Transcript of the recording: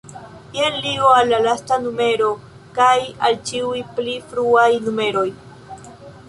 Jen ligo al la lasta numero kaj al ĉiuj pli fruaj numeroj.